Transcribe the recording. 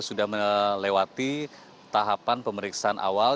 sudah melewati tahapan pemeriksaan awal